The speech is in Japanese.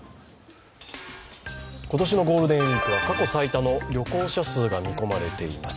今年のゴールデンウイークは過去最多の旅行者数が見込まれています。